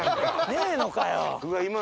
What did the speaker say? ねえのかよ！